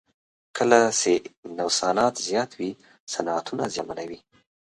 کله چې نوسانات زیات وي صنعتونه زیانمنوي.